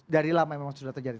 dari lama memang sudah terjadi